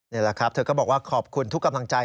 นี่แหละครับเธอก็บอกว่าขอบคุณทุกกำลังใจ